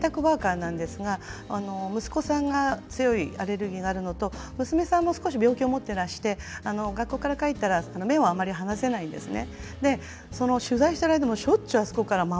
この方は共働きで在宅ワーカーなんですが息子さんが強いアレルギーがあるのと娘さんも少し病気を持ってらして学校から帰ったら目を離せないんですね。